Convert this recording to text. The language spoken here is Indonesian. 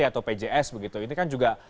atau pjs begitu ini kan juga